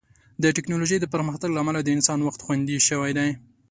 د ټیکنالوژۍ د پرمختګ له امله د انسان وخت خوندي شوی دی.